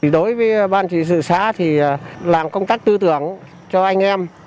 đối với ban trị sự xã thì làm công tác tư tưởng cho anh em